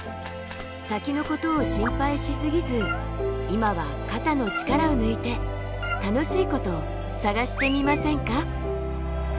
先のことを心配しすぎず今は肩の力を抜いて楽しいこと探してみませんか？